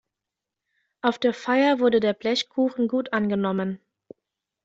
Auf der Feier wurde der Blechkuchen gut angenommen.